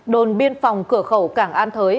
đồn biên phòng cửa khẩu cảng an thới